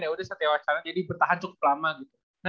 ya udah satya watsana jadi bertahan cukup lama gitu